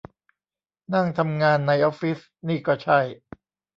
นั่งทำงานในออฟฟิศนี่ก็ใช่